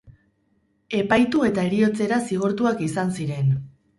Epaitu eta heriotzera zigortuak izan ziren.